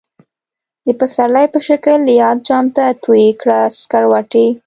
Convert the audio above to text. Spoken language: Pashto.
د پسرلی په شکلی یاد، جام ته تویی کړه سکروټی